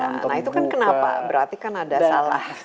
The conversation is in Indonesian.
nah itu kan kenapa berarti kan ada salah